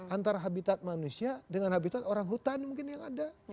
antara habitat manusia dengan habitat orang hutan mungkin yang ada